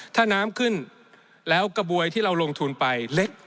ถ้าน้ำขึ้นแล้วกระบวยที่เราลงทุนไปเล็ก